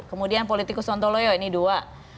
kemudian politik kusontoloyo ini dua